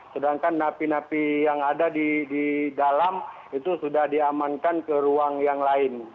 sedangkan napi napi yang ada di dalam itu sudah diamankan ke ruang yang lain